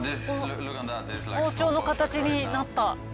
包丁の形になった。